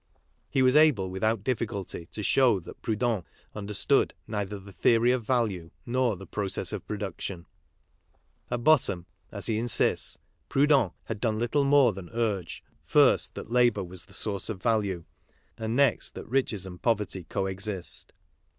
He was able without difficulty to show that Proudhon understood neither the theory of value nor the process of production. At bottom, as' he insists KARL MARX 13 Proudhon had done little more than urge, first that labour was the source of value, and next that riches and poverty co exist.